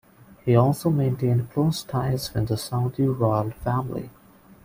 He also maintained close ties with the Saudi royal family.